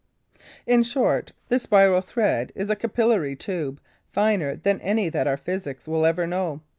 In short, the spiral thread is a capillary tube finer than any that our physics will ever know.